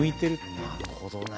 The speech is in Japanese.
なるほどね。